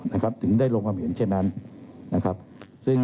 เรามีการปิดบันทึกจับกลุ่มเขาหรือหลังเกิดเหตุแล้วเนี่ย